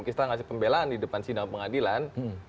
kita ngasih pembelaan di depan sidang pengadilan